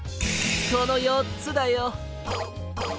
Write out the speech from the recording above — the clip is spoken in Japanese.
このよっつだよ！